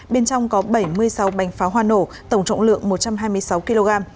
bên trong có bảy mươi sáu bánh pháo hoa nổ tổng trọng lượng một trăm hai mươi sáu kg